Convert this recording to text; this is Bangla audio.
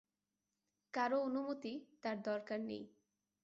কারো অনুমতি তার দরকার নেই।